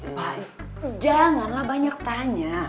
pak janganlah banyak tanya